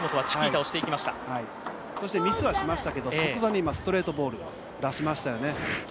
そして、ミスはしましたけど即座にストレートボール出しましたよね。